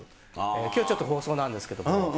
きょう、ちょっと放送なんですけれども。